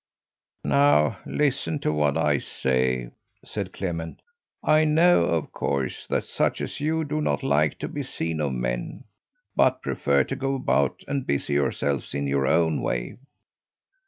"Now listen to what I say!" said Clement. "I know of course that such as you do not like to be seen of men, but prefer to go about and busy yourselves in your own way.